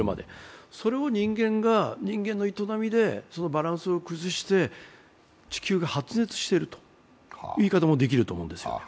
それを人間が、人間の営みでそのバランスを崩して地球が発熱しているという言い方もできると思うんです。